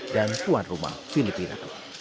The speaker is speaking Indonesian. dan puan rumah filipina